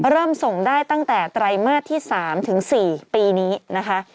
เริ่มส่งได้ตั้งแต่ไตรมาสที่๓ถึง๔ปีนี้นะคะ